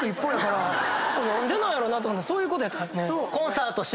何でなんやろな？と思ったらそういうことやったんですね。